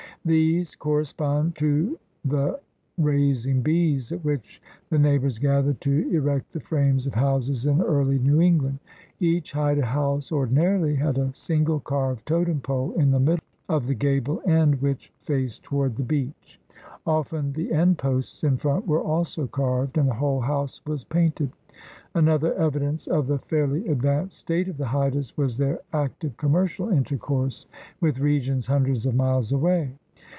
These correspond to the "raising bees" at which the neighbors gathered to erect the frames of houses in early New England. Each Haida house ordinarily had a single carved totem pole in the middle of the gable end which faced toward the beach. Often the end posts in front were also carved and the whole house was painted. Another evidence of the fairly advanced state of the Haidas was their active commercial intercourse with regions hundreds of miles away.